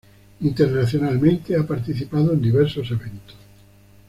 Internacionalmente ha participado en diversos eventos.